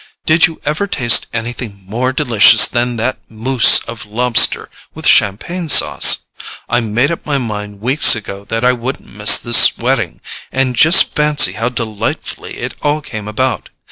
Did you ever taste anything more delicious than that MOUSSE of lobster with champagne sauce? I made up my mind weeks ago that I wouldn't miss this wedding, and just fancy how delightfully it all came about.